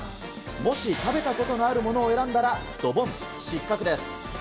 もし、食べたことのあるものを選んだらドボン、失格です。